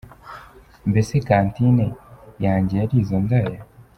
mbese kantine yanjye yari izo ndaya.